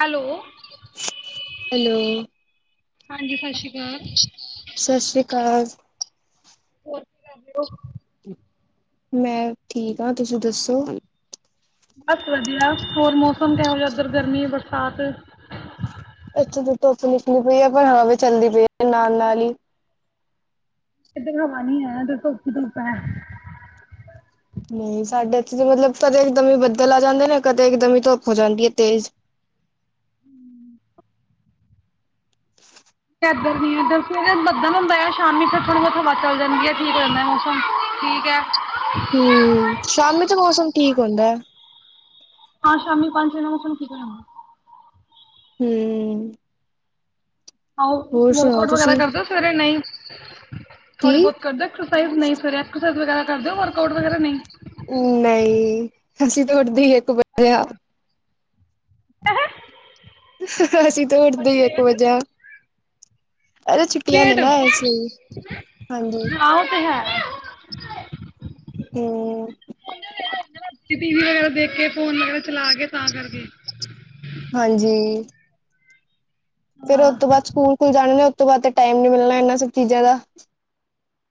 Hello, hello ਹਾਂਜੀ ਸਤਿ ਸ਼੍ਰੀ ਅਕਾਲ। ਸਤਿ ਸ੍ਰੀ ਅਕਾਲ, ਹੋਰ ਕੀ ਕਰਦੇ ਹੋ? ਮੈਂ ਠੀਕ ਹਾਂ, ਤੁਸੀਂ ਦੱਸੋ? ਬਸ ਵਧੀਆ ਹੋਰ ਮੌਸਮ ਕਿਹੋ ਜਿਹਾ ਉਧਰ ਗਰਮੀ ਬਰਸਾਤ ਵਿੱਚ ਦੀ ਧੁੱਪ ਨਿਕਲੀ ਪਈ ਹੈ ਪਰ ਹਵਾ ਵੀ ਚੱਲਦੀ ਪਈ ਹੈ ਨਾਲ-ਨਾਲ ਹੀ, ਇਧਰ ਹਵਾ ਨਹੀਂ ਹੈ ਤੇ ਧੁੱਪ ਹੀ ਧੁੱਪ ਹੈ। ਨਹੀਂ ਸਾਡੇ ਇਥੇ ਤਾਂ ਮਤਲਬ ਕਦੇ ਇਕਦਮ ਬੱਦਲ ਆ ਜਾਂਦੇ ਨੇ ਕਦੇ ਇਕਦਮੀ ਧੁੱਪ ਹੋ ਜਾਂਦੀ ਹੈ ਤੇਜ਼ ਇੱਧਰ ਨੀ ਇਧਰ ਤੇ ਨਾ ਬੱਦਲ ਹੁੰਦਾ ਆ ਸ਼ਾਮੀ ਥੋੜੀ ਬਹੁਤ ਹਵਾ ਚੱਲ ਜਾਂਦੀ ਹੈ, ਠੀਕ ਹੋ ਜਾਂਦਾ ਮੌਸਮ ਠੀਕ ਹੈ। ਹੂੰ ਸ਼ਾਮੀ ਤੇ ਮੌਸਮ ਠੀਕ ਹੁੰਦਾ। ਹਾਂ, ਸ਼ਾਮੀ ਪੰਜ ਛੇ ਵਜੇ ਮੋਸਮ ਠੀਕ ਹੋ ਜਾਂਦਾ। ਹੂੰ, ਆ ਵਰਕ ਆਊਟ ਵਗੈਰਾ ਤੁਸੀਂ ਕਰਦੇ ਸਵੇਰੇ ਨਹੀਂ, ਕੀ ਥੋੜੀ ਬਹੁਤ ਕਰਦੇ ਐਕਸਰਸਾਈਜ਼ ਨਹੀਂ ਸਵੇਰੇ ਐਕਸਰਸਾਈ ਵਗੈਰਾ? ਕਰਦੇ ਹੋ ਵਰਕ ਆਊਟ ਵਗੈਰਾ ਨਹੀਂ? ਨਹੀਂ ਅਸੀਂ ਤੇ ਉਠਦੇ ਹੀ ਏ, [unintelligible] ਰਿਹਾ, ਏਹੈ, [unintelligible] ਅਸੀਂ ਤਾ ਉੱਠਦੇ ਇੱਕ ਵਜੇ ਹਾਂ। ਅਰੇ ਛੁੱਟੀਆਂ ਨੇ ਪੇਟ ਨਾ ਇਸ ਲਈ ਹਾਂਜੀ, ਹਾਂ ਉਹ ਤੇ ਹੈ। ਹੂੰ, ਟੀ ਵੀ ਵਗੈਰਾ ਦੇਖ ਕੇ ਫੋਨ ਵਗੈਰਾ ਚਲਾ ਕੇ ਤਾਂ ਕਰਕੇ। ਹਾਂਜੀ, ਫੇਰ ਉਹ ਹਾਂ ਤੋਂ ਬਾਅਦ ਸਕੂਲ ਖੁਲ ਜਾਣੇ ਨੇ ਉਹ ਤੋਂ ਬਾਅਦ ਟਾਈਮ ਨੀ ਮਿਲਣਾ ਇਹਨਾਂ ਸਭ ਚੀਜ਼ਾਂ ਦਾ,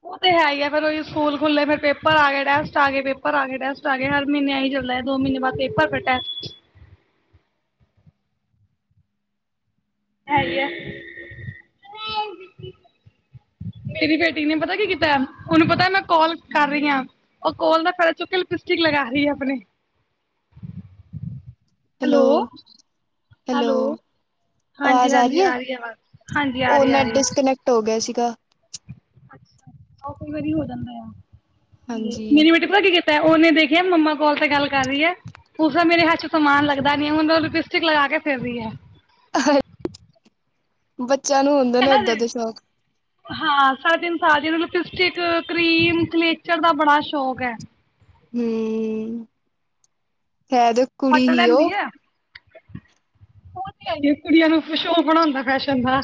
ਉਹ ਤੇ ਹੈ ਹੀ ਫਿਰ ਔਈਓ ਸਕੂਲ ਖੁੱਲੇ ਫੇਰ ਪੇਪਰ ਆ ਗਏ ਟੈਸਟ ਆ ਗਏ ਪੇਪਰ ਆ ਗਏ ਟੈਸਟ ਆ ਗਏ ਹਰ ਮਹੀਨੇ ਐ ਹੈ ਚਲਦੇ ਦੋ ਮਹੀਨੇ ਬਾਅਦ ਪੇਪਰ ਫਿਰ ਟੈਸਟ ਹੈਗੀ ਆ ਮੇਰੀ ਬੇਟੀ ਨੇ ਪਤਾ ਕੀ ਕੀਤਾ ਉਹਨੂੰ ਪਤਾ ਮੈਂ ਕੋਲ ਕਰ ਰਹੀ ਹਾਂ ਉਹ ਕੋਲ ਦਾ ਫਾਇਦਾ ਚੁੱਕ ਕੇ ਲਿਪਸਟਿਕ ਲਗਾ ਰਹੀ ਆ ਆਪਣੀ ਹੈਲੋ-ਹੈਲੋ, ਹੈਲੋ ਹਾਂਜੀ ਆਵਾਜ਼ ਆ ਹਾਂਜੀ ਰਹੀ ਹੈ ਆਵਾਜ਼ ਹਾਂਜੀ ਆ ਉਹ ਰਹੀ ਆ ਨੈਟ ਰਹੀ ਹੈ ਡਿਸਕਨੈਕਟ ਹੋ ਗਿਆ ਸੀ। ਕਾ ਅੱਛਾ, ਆ ਕਈ ਵਾਰੀ ਹੋ ਜਾਂਦਾ ਆ। ਹਾਂਜੀ ਮੇਰੀ ਬੇਟੀ ਪਤਾ ਕੀ ਕ ਤੇ ਉਹਨੇ ਦੇਖਿਆ, ਮੰਮਾ ਕੋਲ ਤੇ ਗੱਲ ਕਰ ਰਹੀ ਹੈ, [unintelligible] ਮੇਰੇ ਹੱਥ ਚ ਸਮਾਨ ਲੱਗਦਾ ਨੀ ਹੈ, ਹੁਣ ਉਹ ਲਿਪਸਟਿਕ ਲਗਾ ਕੇ ਫਿਰ ਰਹੀ ਹੈ। ਹ। ਬੱ ਚਿਆਂ ਨੂੰ ਹੁੰਦੇ ਹੈ ਨੇ, ਨਾ ਏਦਾਂ ਜੀ ਦੇ ਸ਼ੌਕ। ਹਾਂ ਸਾਢੇ-ਤਿੰਨ ਸਾਲ ਦੀ ਏ, ਲਿਪਸਟਿਕ, ਕਰੀਮ ਕਲਚਰ ਦਾ ਬੜਾ ਸ਼ੌਕ ਹੈ। ਹੂੰ। ਹੈ ਤੇ ਕੁੜੀ ਫੱਟ ਹੀ ਲੈਂਦੀ ਉਹ ਹੈ ਉਹ ਤੇ ਹੈ ਏ ਕੁੜੀਆਂ ਨੂੰ ਸੋ਼ਕ ਬੜਾ ਹੁੰਦਾ ਫੈਸ਼ਨ ਦਾ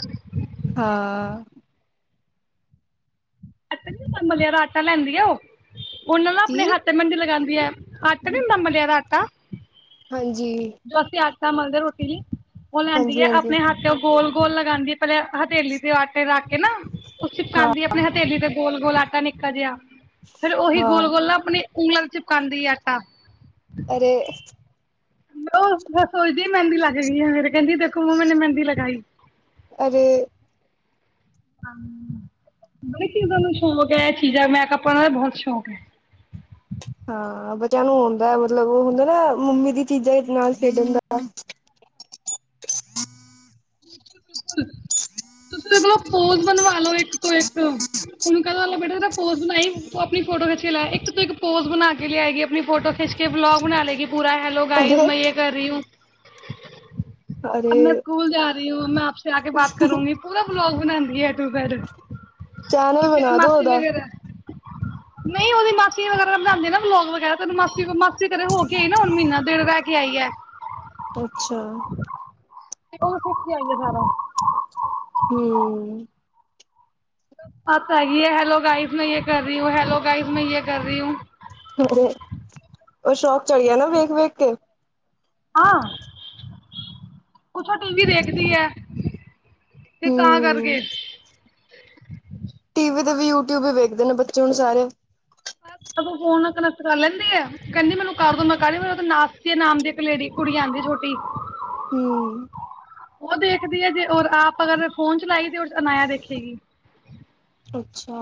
ਹਾਂ। [unintelligible] ਮਲਿਆਂ ਦਾ ਆਟਾ ਲੈਂਦੀ ਆ ਉਹ। ਉਹਨਾਂ ਨੂੰ ਕੀ ਆਪਣੇ ਹੱਥ ਤੇ ਮਹਿੰਦੀ ਲਗਾਂਦੇ ਵੀ ਹੈ। ਆਟਾ ਨੀ ਹੁੰਦਾ ਮਲਿਆ ਦਾ ਆਟਾ ਹਾਂਜੀ। ਆਟੇ ਮਲਦੇ ਰੋਟੀ ਲਈ ਉਹ ਲੈਂਦੀ ਹਾਂਜੀ ਹੈ, ਹਾਂਜੀ ਆਪਣੇ ਹੱਥ ਚ ਗੋਲ ਗੋਲ ਲਗਾਂਦੀ ਹੈ, ਪਹਿਲੇ ਹਥੇਲੀ ਤੇ ਆਟੇ ਰੱਖ ਕੇ ਨਾ [unintelligible] ਹਾਂ ਆਪਣੇ ਹੱ ਗੋਲ- ਗੋਲ ਆਟਾ ਨਿੱਕਾ ਜਿਹਾ। ਫਿਰ ਉਹੀ ਹਾਂ ਗੋਲ-ਗੋਲ ਨਾ ਆਪਣੀਂ ਉਂਗਲਾਂ ਵਿੱਚ ਚਿਪਕਾਂਦੀ ਆਟਾ ਅਰੇ ਉਹ ਸੋਚਦੀ ਮਹਿੰਦੀ ਲੱਗ ਗਈ ਹੈ ਮੇਰੇ ਕਹਿੰਦੀ ਦੇਖੋ ਮੰਮਾ, ਮੈਨੇਂ ਮਹਿੰਦੀ ਲਗਾਈ। ਅਰੇ [unintelligible] ਸ਼ੌਕ ਹੈ ਚੀਜ਼ਾਂ, ਮੈਕਅਪ ਕਰਨ ਦਾ ਬਹੁਤ ਸ਼ੌਕ ਹੈ। ਹਾਂ ਬੱਚਿਆਂ ਨੂੰ ਹੁੰਦਾ, ਮਤਲਬ ਉਹ ਹੁੰਦਾ ਨਾ ਮੰਮੀ ਦੀ ਚੀਜ਼ਾਂ ਨਾਲ ਖੇਡਣ ਦਾ। ਬਿਲਕੁਲ-ਬਿਲਕੁਲ ਤੁਸੀਂ ਇਹਦੇ ਕੋਲੋਂ ਪੋਜ ਬਣਵਾ ਲੋ, ਇੱਕ- ਤੋਂ ਇੱਕ ਉਹਨੂੰ ਕਹਿ ਦੋ ਬੇਟਾ, ਪੋਜ ਬਣਾਈ ਆਪਣੀ ਫੋਟੋ ਖਿੱਚ ਕੇ ਲੈ, ਇੱਕ ਤੋਂ ਇੱਕ ਪੋਜ ਬਣਾ ਕੇ ਲਿਆਏਗੀ, ਆਪਣੀ ਫੋਟੋ ਖਿੱਚ ਕੇ ਵਲੋਗ ਬਣਾ ਲਏਗੀ ਪੂਰਾ ਹੈਲੋ ਗਾਈਜ਼, ਅਰੇ ਮੈਂ ਯੇ ਕਰ ਰਹੀ ਹੂੰ। ਅਬ ਅਰੇ ਮੈਂ ਸਕੂਲ ਜਾ [unintelligible] ਮੈਂ ਆਪਸੇ ਆਕੇ ਬਾਤ ਕਰੂੰਗੀ, ਪੂਰਾ ਬਲੋਗ ਬਣਾਂਦੀ ਹੈ। ਚੈਨਲ [unintelligible] ਬਣਾ ਦੋ ਮਾਸੀ ਉਹਦਾ ਵਗੈਰਾ ਨਹੀਂ ਉਹਦੀ ਮਾਸੀ ਵਗੈਰਾ ਬਣਾਂਦੀ ਨਾ ਵਲੋਗ ਵਗੈਰਾ, ਤੇ ਉਹਨੂੰ ਮਾਸੀ ਕੋਲ ਮਾ ਸੀ ਘਰੇ ਹੋ ਕੇ ਆਈ ਏ ਨਾ ਹੁਣ ਮਹੀਨਾ ਦਿਨ ਰਹਿ ਕੇ ਆਈ ਐ। ਅੱਛਾ [unintelligible] ਕਿੱਥੇ ਆਗੇ ਸਾਰਾ, ਹੂੰ, ਹੈਗੀ ਹੈ ਹੈਲੋ ਗਾਈਜ਼ ਮੈਂ ਜੇ ਕਰ ਰਹੀ ਹੂੰ, ਹੈਲੋ ਗਾਈਜ਼ ਮੈਂ ਜੇ ਕਰ ਰਹੀ ਹੂੰ, ਅਰੇ ਉਹਰ ਸ਼ੌਕ ਚੜ ਗਿਆ ਨਾ ਵੇਖ-ਵੇਖ ਕੇ, ਹਾਂ ਕੁਛ ਔ ਟੀ ਵੀ ਦੇਖਦੀ ਹੈ। ਤੇ ਤਾਂ ਹੂੰ ਕਰਕੇ, [unintelligible] ਟੀਵੀ ਵੀ ਯੂਟਿਊਬ ਵੀ ਵੇਖਦੇ ਨੇ ਬੱਚੇ ਹੁਣ ਸਾਰੇ, ਫੋਨ ਕਨੈਕਟ ਕਰ ਲੈਂਦੀ ਆ ਕਹਿੰਦੀ ਮੈਨੂੰ ਕਰਦੋ ਮੈਂ ਕਰ ਨਾਸ ਨਾਮ ਦੀ ਇੱਕ ਲੇਡੀ ਕੁੜੀ ਆਦੀ ਛੋਟੀ ਹੂੰ, ਉਹ ਦੇਖਦੀ ਹੈ ਜੇ ਆਪ ਅਗਰ ਫੋਨ ਚਲਾਈ ਦੇ, ਅਨਾਇਯ ਦੇਖੇਗੀ। ਅੱਛਾ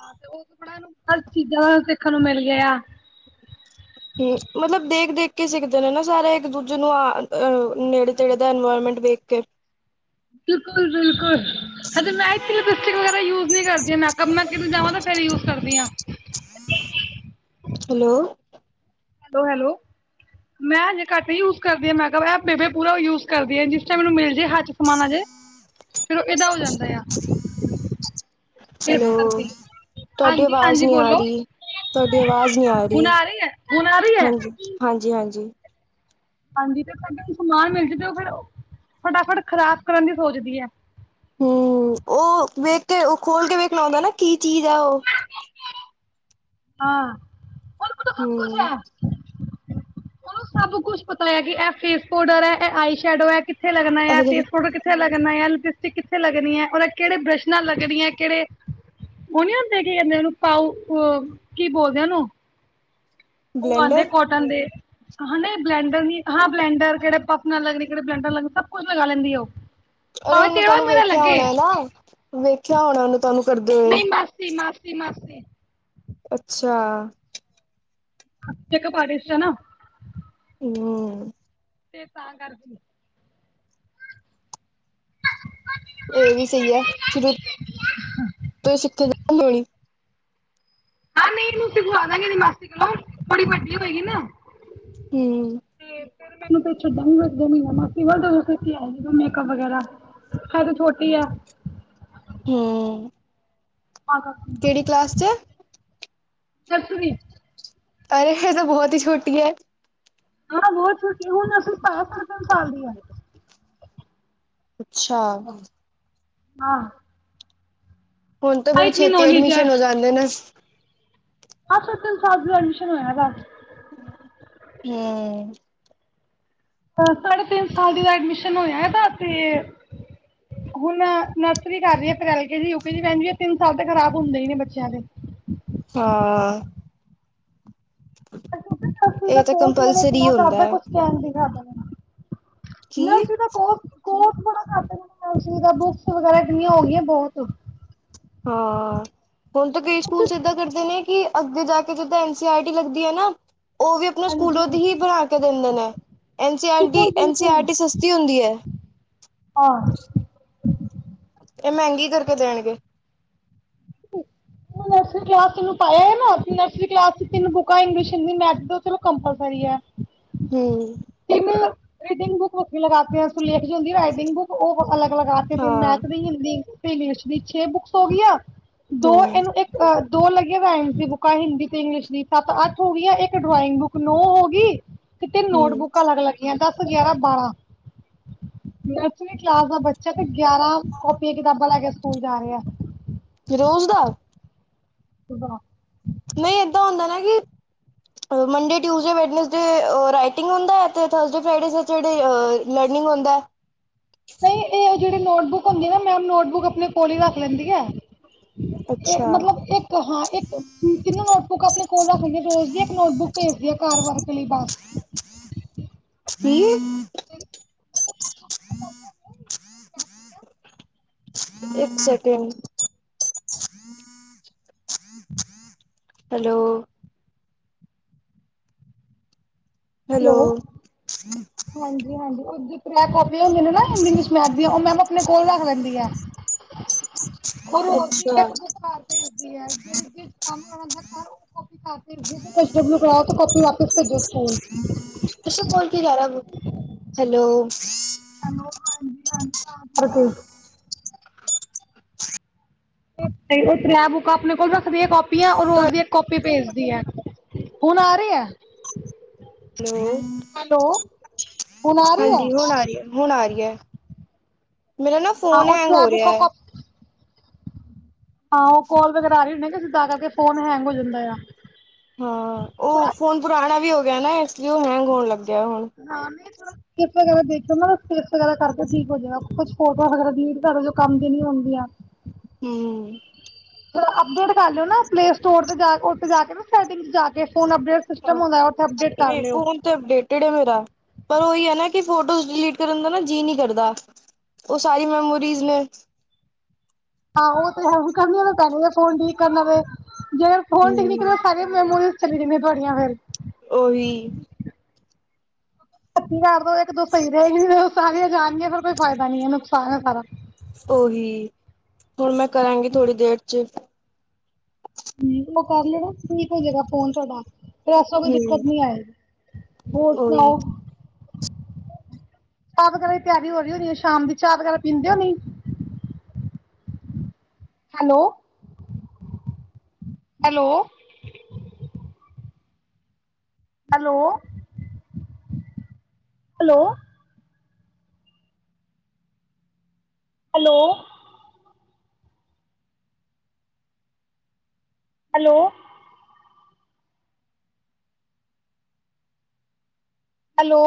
ਹਾਂ, ਤੇ ਉਹ ਬੜ ਹਰ ਚੀਜ਼ਾਂ ਦਾ ਸਿੱਖਣ ਨੂੰ ਮਿਲ ਗਿਆ। ਹੂੰ ਮਤਲਬ ਦੇਖ-ਦੇਖ ਕੇ ਸਿੱਖਦੇ ਨੇ ਨਾ ਸਾਰੇ ਇੱਕ ਦੂਜੇ ਨੂੰ ਆ ਅ ਨੇੜੇ ਤੇੜੇ ਦਾ ਇਨਵਾਇਰਮੈਂਟ ਦੇੇਖ ਕੇ, ਬਿਲਕੁਲ-ਬਿਲਕੁਲ, ਅ ਤੇ [unintelligible] ਵਗੈਰਾ, ਯੂਜ ਨੀ ਕਰਦੀ ਮੇਕਅੱਪ ਤੋਂ ਜਾਵਾਂ ਤਾਂ ਫੇਰ ਯੂਜ ਕਰਦੀ ਆ, ਹੈਲੋ, ਹੈਲੋ-ਹੈਲੋ, ਮੈਂ ਹਜੇ ਘੱਟ ਯੂਜ ਕਰਦੀ ਆ ਮੇਕਅੱਪ ਐ ਬੇਬੇ ਪੂਰਾ ਯੂਜ ਕਰਦੀ ਆ ਜਿਸ ਮੈਨੂੰ ਮਿਲ ਜੇ ਹੱ ਸਮਾਨ ਆਜੇ ਫਿਰ ਉਹ ਏਦਾ ਹੋ ਜਾਂਦਾ ਆ। ਇਸ ਹੈਲੋ, ਕਰਕੇ ਤੁਹਾਡੀ ਹਾਂਜੀ ਅਵਾਜ਼ ਹਾਂਜੀ ਨੀ ਆ ਬੋਲੋ ਰਹੀ ਤੁਹਾਡੀ ਅਵਾਜ਼ ਨੀ ਆ ਹੁਣ ਰਹੀ ਹੈ ਹੁਣ ਆ ਰਹੀ ਹੈ ਹਾਂਜੀ-ਹਾਂਜੀ-ਹਾਂਜੀ। ਹਾਂਜੀ, ਤੇ ਸਾਡੇ ਸਮਾਨ ਮਿਲ ਜਾਂਦਾ ਉਹ ਫਿਰ ਫਟਾਫਟ ਖ਼ਰਾਬ ਕਰਨ ਦੀ ਸੋਚਦੀ ਹੈ। ਹੂੰ, ਉਹ ਵੇਖ ਕੇ ਉਹ ਖੋਲ ਕੇ ਵੇਖਣਾ ਆਦਾ ਨਾ ਕੀ ਚੀਜ਼ ਹੈ ਉਹ ਹਾਂ, ਤਾਂ ਹੂੰ, ਸਭ ਕੁਛ ਹੈ ਉਹਨੂੰ ਸਭ ਕੁਛ ਪਤਾ ਹੈ ਕਿ ਇਹ ਫੇਸ ਪਾਊਡਰ ਹੈ ਇਹ ਆਈ ਸ਼ੈਡੋ ਹੈ, ਕਿੱਥੇ ਲਗਣਾ ਆ ਅਰੇ ਫੈਸ਼ਨ ਪੋਡਰ ਕਿੱਥੇ ਲਗਣਾ ਐ। ਲਿਪਸਟਿਕ ਕਿੱਥੇ ਲੱਗਣੀ ਹੈ, ਉਹਦਾ ਕਿਹੜੇ ਬ੍ਰਸ਼ਨਾਂ ਲੱਗਣੀ ਆਂ ਕਿਹੜੇ ਉਹ ਨੀ ਹੁੰਦੇ ਕੀ ਕਦੇ ਉਹਨੂੰ ਪਾਓ ਕੀ ਬੋਲਦੇ ਐ ਉਨੂੰ ਉਹ ਆਦੇ ਬਲੈਂਡਰ ਕੋਟਨ ਦੇ, ਹਾਂ ਨਹੀਂ ਬਲੈਂਡਰ ਨੀ ਹਾਂ ਬਲੈਂਡਰ ਕਿਹੜੇ ਪੱਪ ਨਾਲ ਲੱਗਣੇ ਕਿਹੜੇ ਬਲੈਂਡਰ ਲੱਗਣੇ ਸਭ ਕੁਛ ਲਗਾ ਲੈਂਦੀ ਉਹ ਅਰੇ ਭਾਵੇਂ ਔਨੇ ਟੇੜਾ ਤੁਹਾਨੂੰ ਮੇੜਾ ਵੇਖਿਆ ਲੱਗੇ ਹੋਣਾ ਨਾ ਵਖ ਕਿਆ ਹੋਣਾ ਉਹਨੂੰ ਤੁਹਾਨੂੰ ਕਰਦੇ ਹੋਏ, ਮਾਸੀੇ, ਅੱਛਾ, ਚੈੱਕ ਪਾਟੀਸ਼ ਨਾ ਹਂ ਤੇ ਤਾਂ ਕਰਦੀ [unintelligible] ਇਹ ਵੀ ਸਹੀ ਹੈ ਸ਼ੁਰੂ ਤੋਂ ਸਿੱਖੇ ਹੋਣੀ ਹਾਂ, ਨਹੀਂ ਮੂਸੀ ਖੁਵਾ ਦਾਂਗੇ ਇਹਦੀ ਮਾਸੀ ਕੋਲੋਂ, ਥੋੜੀ ਵੱਡੀ ਹੋਏਗੀ ਨਾ ਹਂ ਫ਼ੇਰ ਮੈਨੂੰ ਹੁਣ ਤੇ ਛੱਡਾਂਗੀ ਨ ਵੀ ਮਾਸੀ ਵੱਲ, ਜਦੋਂ ਆ ਸਿਖ ਕਿ ਆਏਗੀ ਨਾ ਮੇਕਅਪ ਵਗੈਰਾ ਹੈ ਹਜੇ ਤੇ ਛੋਟੀ ਆ। ਹੂੰ ਤਾਂ ਕਰਕੇ ਕਿਹੜੀ ਕਲਾਸ ਚ ਏ ਨਰਸਰੀ। ਅਰੇ ਏਹ ਤੇ ਬਹੁਤ ਹੀ ਛੋਟੀ ਐ। ਹਾਂ, ਬਹੁਤ ਛੋਟੀ ਹੁ ਹੁਣ ਪਾਇਆ ਤਿੰਨ ਸਾਲ ਦੀ ਐ। ਅੱਛਾ। ਆਂਹ ਹੁਣ ਤਾਂ ਬੜੇ ਛੇਤੀ ਐਡਮਿਸ਼ਨ ਹੋ ਜਾਂਦੇ ਨੇਂ। ਆਹ ਤਿੰਨ ਸਾਲ ਐਡਮਿਸ਼ਨ ਹੋਇਆ ਦਾ ਹਂ ਸਾਢੇ ਤਿੰਨ ਸਾਲ ਦੀ ਦਾ ਐਡਮਿਸ਼ਨ ਹੋਆ ਏਦਾ ਤੇ ਹੁਣ ਮੈਂ ਨਰਸਰੀ ਕਰ ਰਹੀ ਆਂ, ਫ਼ਿਰ ਐਲ ਕੇਜੀ, ਯੂ ਕੇਜੀ ਪੈਂਦੀ ਏ, ਤਿੰਨ ਸਾਲ ਤਾਂ ਖ਼ਰਾਬ ਹੁੰਦੇ ਹੀ ਨੇ ਬੱਚਿਆਂ ਦੇ। ਹਾਂ। ਹਰ ਚੀਜ ਇਹ ਦਾ ਤਾਂ ਕੋਰਸ ਇਹਨਾਂ ਨੇ ਕੰਪਲਸਰੀ ਇਤਨਾ ਹੁੰਦਾ ਕਰਦਾ ਹੈ ਕੁਛ ਕਹਿਣ ਦੀ ਹੱਦ ਨੀਂ। ਕੀ? ਬੜਾ ਘੱਟ ਬੁਕਸ ਵਗੈਰਾ ਇਤਨੀਆਂ ਹੋਗੀਆਂ ਬਹੁਤ। ਹਾਂ ਹੁਣ ਤਾਂ ਕਈ ਸਕੂਲ ਏਦਾਂ ਹਾਂਜੀ ਕਰਦੇ ਨੇਂ ਕਿ ਅੱਗੇ ਜਾ ਕੇ ਸਿੱਧਾ ਐਨ ਸੀ ਆਰ ਟੀ ਲੱਗਦੀ ਐਨਾਂ। ਉਹ ਵੀ ਆਪਣੇ ਸਕੂਲੋਂ ਦੀ ਹੀ ਬਣਾ ਕੇ ਦਿੰਦੇ ਨੇਂ ਐਨ ਸੀ ਆਰ ਟੀ ਬਿਲਕੁਲ ਐਨ ਸੀ ਆਰ ਬਿਲਕੁਲ ਟੀ ਸਸਤੀ ਹੁੰਦੀ ਐ। ਹਾਂ ਇਹ ਮਹਿੰਗੀ ਕਰਕੇ ਦੇਣਗੇ। ਨਰਸਰੀ ਕਲਾਸ ਇਹਨੂੰ ਪਾਇਆ ਨਾਂ ਨਰਸਰੀ ਕਲਾਸ ਚ, ਤਿੰਨ ਬੁੱਕਾਂ ਇੰਗਲਿਸ਼, ਹਿੰਦੀ, ਮੈਥ, ਚਲੋ ਕੰਪਲਸਰੀ ਐ। ਹਂ ਮਤਲਬ ਰੀਡਿੰਗ ਬੁੱਕ ਵੱਖਰੀ ਲਗਾਤੀਆਂ, ਸੁਲੇਖ ਜਿਹੀ ਹੁੰਦੀ ਐ ਨਾ ਰਾਈਟੀਗ ਬੁੱਕ ਉਹ ਵਖ ਅਲੱਗ ਲਗਾਤੀ ਹਾਂ ਫ਼ਿਰ ਮੈਥ ਵੀ, ਹਿੰਦੀ ਇੰਗਲਿਸ਼ ਦੀ ਛੇ ਬੁੱਕਸ ਹੋ ਗਈਆਂ। ਦੋ ਹਾਂ ਇਹਨੂੰ ਇੱਕ ਅ ਦੋ ਲੱਗੀਆਂ, [inaudible] ਬੁੱਕਾਂ ਹਿੰਦੀ ਤੇ ਇੰਗਲਿਸ਼ ਦੀ, ਸੱਤ ਅੱਠ ਹੋ ਗਈਆ, ਇੱਕ ਡਰਾਇੰਗ ਬੁੱਕ, ਨੋ ਹੋਗੀ। ਤੇ ਤਿੰਨ ਹੂੰ ਨੋਟਬੁੱਕਾਂ ਅਲੱਗ ਲੱਗੀਆਂ ਦਸ। ਗਿਆਰਾਂ ਬਾਰਾਂ, ਨਰਸਰੀ ਕਲਾਸ ਦਾ ਬੱਚਾ ਤੇ ਗਿਆਰਾਂ ਕਾੱਪੀਆਂ, ਕਿਤਾਬਾਂ ਲੈ ਕੇ ਸਕੂਲ ਜਾ ਰਿਹਾ। ਰੋਜ਼ ਦਾ ਵਾਹ। ਨਈਂ ਏਦਾਂ ਹੁੰਦਾ ਨਾ ਕਿ ਮੰਡੇ, ਟਿਊਸਡੇ, ਵੈਟਨਸਡੇ, ਰਾਈਟਿੰਗ ਹੁੰਦਾ ਅਤੇ ਥਰਸਡੇ, ਫਰਾਈਡੇ, ਸੇਚਰਡੇ ਲਰਨਿੰਗ ਹੁੰਦਾ। ਨਹੀਂ ਇਹ [unintelligible] ਜਿਹੜੀ ਨੋਟਬੁੱਕ ਹੁੰਦੀ ਨਾ, ਮੈਮ ਨੋਟਬੁੱਕ ਆਪਣੇ ਕੋਲ ਹੀ ਰੱਖ ਲੈਂਦੀ ਹੈ। ਇਹ ਅੱਛਾ ਮਤਲਬ ਇੱਕ ਹਾਂ, ਇੱਕ ਤਿੰਨ ਨੋਟਬੁੱਕ ਆਪਣੇ ਕੋਲ ਰੱਖ, ਰੋਜ਼ ਦੀ ਇੱਕ ਨੋਟਬੁੱਕ ਭੇਜਦੀ ਆ ਘਰ ਵਾਸ ਬੱਸ ਸੀ ਇੱਕ ਸੈਕਿੰਡ ਹਮ ਹਮ ਹੈਲੋ ਹੈਲੋ ਹਾਂਜੀ ਹਾਂਜੀ ਉਹ ਜਿਸ ਤਰ੍ਹਾਂ ਕਰ ਹੁੰਦੇ ਨੇ ਨਾ ਇੰਗਲਿਸ਼ ਮੈਥ ਦੀ ਉਹ ਮੈਮ ਆਪਣੇ ਕੋਲ ਰੱਖ ਲੈਂਦੀ ਹੈ ਉਹ ਰੋਜ਼ ਦੀ ਅੱਛਾ ਇੱਕ ਬੁੱਕ ਘਰ ਭੇਜਦੀ ਹੈ ਜਿਹੜੀ ਜਿਸ ਕੰਮ ਅੰਦੀਆ ਸਾਰ ਕੰਮ ਕਰਓ ਤੇ ਕਾਪੀ ਵਾਪਿਸ ਭੇਜੋ ਸਕੂਲ ਤੁਸੀਂ ਕਲ ਕੀ ਕਹਿ ਰਹੇ ਸੀ ਹੈਲੋ ਹੈਲੋ ਹਾਂਜੀ ਹਾਂਜੀ ਹ ਬਿਲਕੁਲ ਉਹ ਤਰੈ ਬੁੱਕ ਆਪਣੇ ਕੋਲ ਰੱਖਦੀ ਆ ਕਾਪੀ ਪੀਆ ਉਹ ਰੋਜ਼ ਦੀ ਇੱਕ ਕੋਪੀ ਭੇਜ ਹੁਣ ਆ ਰੀ ਹੈ ਹੈਲੋ ਹੈਲੋ ਹੁਣ ਆ ਰਹੀ ਹੈ ਹਾਂਜੀ ਹੁਣ ਆਰੀ ਹੈ ਹੁਣ ਆ ਰਹੀ ਹੈ ਮੇਰਾ ਨਾ ਹਾਂ ਫੋਨ ਉਹ ਹੈਂਗ ਤ੍ਰੈ ਹੋ ਰਿਹਾ ਬੁੱਕਾਂ ਹੈ ਕਾ ਹਾਂ ਉਹ ਕੋਲ ਵਗੈਰਾ ਆ ਰੀ ਹੋਣੀ ਤਾ ਕਰਕੇ ਫੋਨ ਹੈਂਗ ਹੋ ਜਾਂਦਾ ਆ ਹਾਂ ਉਹ ਥੋੜਾ ਫੋਨ ਪੁਰਾਣਾ ਵੀ ਹੋ ਗਿਆ ਨਾ ਏਸ ਕਿ ਉਹ ਹੈਗ ਹੋਣ ਲੱਗ ਕਿਆ ਹੁਣ ਕਲੀਪ ਵਗੈਰਾ ਦੇਖਿਓ ਨਾ ਵਗੈਰਾ ਕਰਕੇ ਠੀਕ ਹੋ ਜਾਏਗਾ ਕੁਛ ਫੋਟੋ ਵਗੈਰਾ ਡਿਲੀਟ ਕਰ ਦੋ ਜੋ ਕੰਮ ਦੀ ਨੀ ਹੁੰਦੀਆਂ ਹਮ ਅਪਡੇਟ ਕਰ ਲਿਓ ਨਾ ਪਲੇ ਸਟੋਰ ਤੇ ਉ ਜਾ ਕੇ ਨਾ ਸੈਟਿੰਗ ਚ ਜਾ ਕੇ ਫੋਨ ਅਪਡੇਟ ਹਾਂ ਸਿਸਟਮ ਹੁੰਦਾ ਅਪਡੇਟ ਕਰ ਨਹੀਂ ਲਿਓ ਫੋਨ ਤੇ ਅਪਡੇਟਡ ਹੈ ਮੇਰਾ ਪਰ ਉਹੀ ਹੈ ਨਾ ਕਿ ਫੋਟੋਸ ਡਿਲੀਟ ਕਰਨ ਦਾ ਨਾ ਜੀਅ ਨੀ ਕਰਦਾ ਉਹ ਸਾਰੀ ਮੈਮੋਰੀਜ ਨੇ ਆਹੋ ਉਹ ਤੇ ਹੈ ਵੀ ਕਰਨੀ ਤੇ ਪੈਣੀ ਐ ਫੋਨ ਠੀਕ ਕਰਨਾ ਤੇ ਜਿਹੜ ਫੋਨ ਠੀਕ ਨੀ ਕਰੀਆ ਹਮ ਸਾਰੀ ਮੈਮੋਰੀਜ ਸ ਮੈਂ ਤੁੜੀਆਂ ਫੇਰ ਉਹੀ ਪੱਚੀ ਹਜ਼ਾਰ ਤੋਂ ਇੱਕ ਦੋ ਸਹੀ ਰਹੇਗੀ ਫੇਰ ਸਾਰੀਆਂ ਜਾਣਗੀਆਂ ਫਿਰ ਕੋਈ ਫਾਇਦਾ ਨੀ ਹੈ ਨੁਕਸਾਨ ਹੈ ਸਾਰਾ ਉਹੀ ਹੁਣ ਮੈਂ ਕਰਾਂਗੀ ਥੋੜੀ ਦੇਰ ਚ ਹਮ ਉਹ ਕਰ ਲੈਣਾ ਠੀਕ ਹੋ ਜਾਏਗਾ ਫੋਨ ਤੁਹਾਡਾ ਤੈ ਵੈਸੇ ਕੋਈ ਦਿੱਕਤ ਹਮ ਨੀ ਆਏਗੀ ਹੋਰ ਉਹੀ ਸੁਣਾਓ ਚਾਹ ਵਗੈਰਾ ਦੀ ਤਿਆਰੀ ਹੋ ਰਹੀ ਹੋਣੀ ਹੈ ਸ਼ਾਮ ਦੀ ਚਾਹ ਵਗੈਰਾ ਪੀਂਦੇ ਓ ਨਹੀ hello hello hello hello hello hello hello